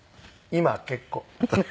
「今は結構」。